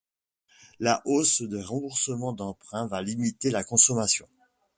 La hausse des remboursements d'emprunts va limiter la consommation.